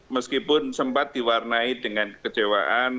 meskipun sempat diwarnai dengan kecewaan